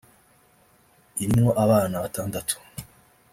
irimwo abana batandatu